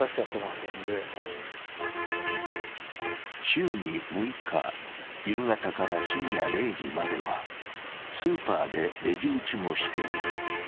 週に６日、夕方深夜０時まではスーパーでレジ打ちもしている。